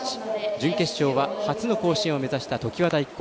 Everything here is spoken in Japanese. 準決勝は初の甲子園を目指した常磐大高。